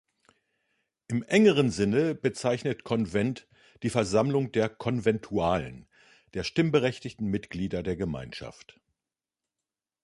Im engeren Sinne bezeichnet "Konvent" die Versammlung der "Konventualen", der stimmberechtigten Mitglieder der Gemeinschaft.